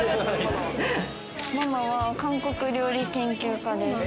ママは韓国料理研究家です。